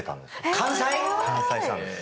完済したんです。